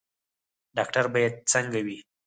ډاکټر باید څنګه وي؟